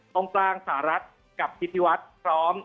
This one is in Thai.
ตรงกลางสหรัฐกับพิธีวัฒน์พร้อม